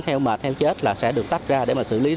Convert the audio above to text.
heo mệt heo chết là sẽ được tách ra để xử lý riêng